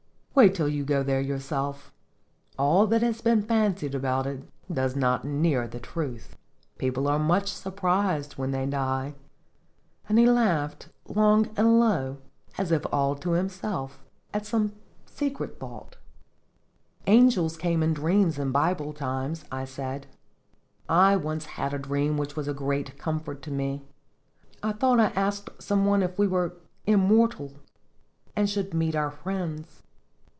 "Wait till you go there yourself. All that has been fancied about it does not near the truth. People are much surprised when they die." And he laughed low and long, as if all to himself, at some secret thought. "Angels came in dreams in Bible times," I Jftotljs. 45 said. "I once had a dream which was a great comfort to me. I thought I asked some one if we were immortal and should meet our friends.